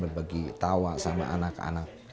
berbagi tawa sama anak anak